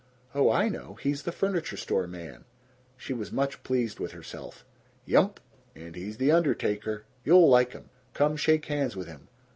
"Oh, I know! He's the furniture store man!" She was much pleased with herself. "Yump, and he's the undertaker. You'll like him. Come shake hands with him."